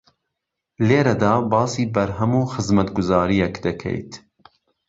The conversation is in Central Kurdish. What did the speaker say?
لێرەدا باسی بەرهەم و خزمەتگوزارییەک دەکەیت